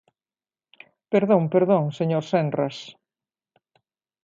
Perdón, perdón, señor Senras.